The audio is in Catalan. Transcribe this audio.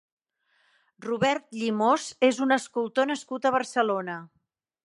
Robert Llimós és un escultor nascut a Barcelona.